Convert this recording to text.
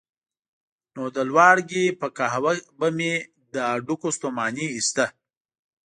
نو د لواړګي په قهوه به مې له هډوکیو ستوماني ایسته.